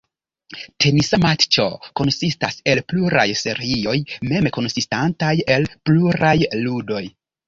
Tenisa matĉo konsistas el pluraj serioj, mem konsistantaj el pluraj ludoj.